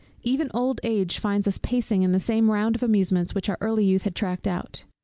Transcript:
Even old age often finds us pacing in the same round of amusements, which our early youth had tracked out.